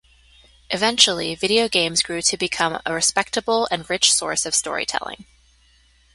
Eventually, video games grew to become a respectable and rich source of storytelling.